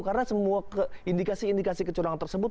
karena semua indikasi indikasi kecurangan tersebut